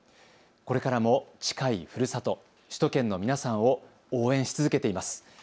これからも近いふるさと、首都圏の皆さんを応援し続けています。